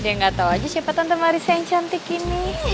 udah gak tau aja siapa tante marissa yang cantik gini